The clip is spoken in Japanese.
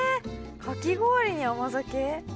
かき氷に甘酒？